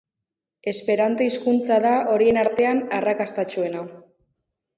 Esperanto hizkuntza da horien artean arrakastatsuena.